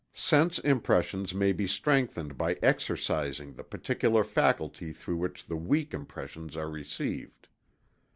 _Sense impressions may be strengthened by exercising the particular faculty through which the weak impressions are received.